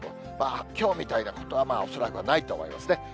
きょうみたいなことは恐らくはないと思いますね。